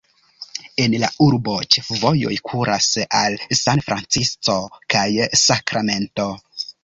El la urbo ĉefvojoj kuras al San Francisco kaj Sakramento.